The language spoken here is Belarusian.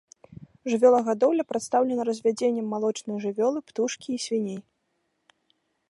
Жывёлагадоўля прадстаўлена развядзеннем малочнай жывёлы, птушкі і свіней.